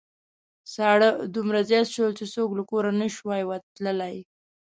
ساړه دومره زيات شول چې څوک له کوره نشوای تللای.